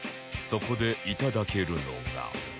そこでいただけるのが